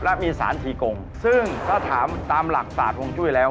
และมีศาลธิกงซึ่งถ้าถามตามหลักศาลธงจุดีแล้ว